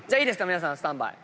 皆さんスタンバイ。